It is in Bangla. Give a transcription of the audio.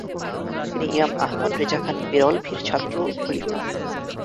তিনি ইমাম আহমদ রেজা খান বেরলভীর ছাত্র ও খলিফা।